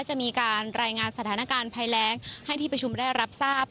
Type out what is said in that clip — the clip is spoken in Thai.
จะมีการรายงานสถานการณ์ภัยแรงให้ที่ประชุมได้รับทราบ